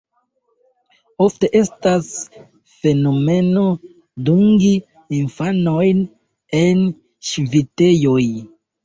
Ofte estas fenomeno dungi infanojn en ŝvitejoj.